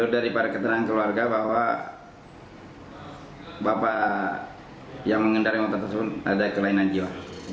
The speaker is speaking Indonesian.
dari para keterangan keluarga bahwa bapak yang mengendari motor tersebut ada kelainan jiwa